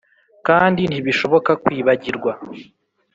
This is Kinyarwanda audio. kandi ntibishoboka kwibagirwa